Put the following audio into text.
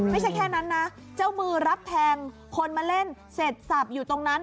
ไม่ใช่แค่นั้นนะเจ้ามือรับแทงคนมาเล่นเสร็จสับอยู่ตรงนั้น